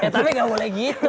tapi gak boleh gitu